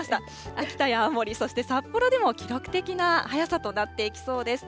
秋田や青森、札幌でも記録的な早さとなっていきそうです。